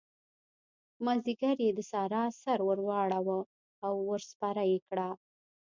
مازديګر يې د سارا سر ور واړاوو او ور سپره يې کړه.